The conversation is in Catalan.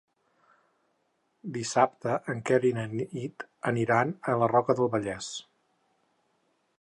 Dissabte en Quer i na Nit aniran a la Roca del Vallès.